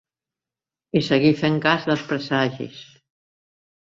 I seguir fent cas dels presagis.